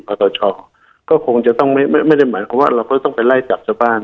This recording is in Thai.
พอต่อชอบก็คงจะต้องไม่ไม่ไม่ได้หมายความว่าเราก็ต้องไปไล่จับจากบ้าน